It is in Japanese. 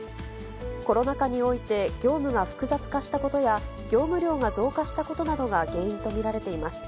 コロナ禍において業務が複雑化したことや、業務量が増加したことなどが原因と見られています。